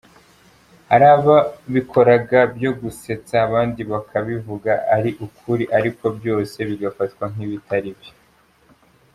Hari ababikoraga byo gusetsa abandi bakabivuga ari ukuri ariko byose bigafatwa nk’ibitari byo.